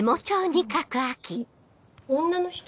女の人？